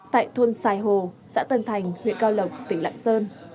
tại thôn sài hồ xã tân thành huyện cao lộc tỉnh lạng sơn